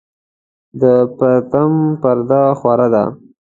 د پرتم پرده خوره ده